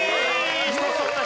１つ取った。